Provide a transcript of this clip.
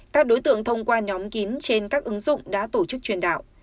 các đối tượng thông qua nhóm kín trên các ứng dụng đã tổ chức truyền đạo